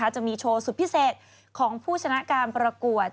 จะมีโชว์สุดพิเศษของผู้ชนะการประกวด